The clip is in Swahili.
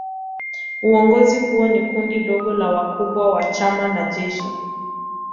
Uongozi huo ni kundi dogo la wakubwa wa chama na jeshi.